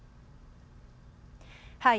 はい。